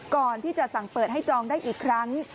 ก่อนที่จะสั่งเปิดให้จองได้อีกครั้ง